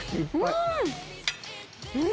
うん！